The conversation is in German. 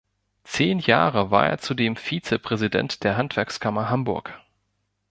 Zehn Jahre war er zudem Vizepräsident der Handwerkskammer Hamburg.